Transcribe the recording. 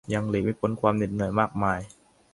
ยังหลีกไม่พ้นความเหน็ดเหนื่อยมากมาย